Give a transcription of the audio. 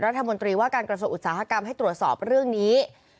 รัฐมนตรีว่าการกระทรวงอุตสาหกรรมให้ตรวจสอบเรื่องนี้